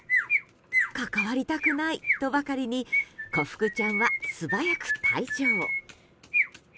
関わりたくないとばかりに小福ちゃんは素早く退場。